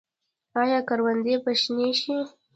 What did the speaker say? آیا کروندې به شنې شي؟